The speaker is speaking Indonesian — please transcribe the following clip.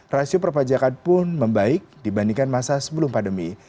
rasio perpajakan pun membaik dibandingkan masa sebelum pandemi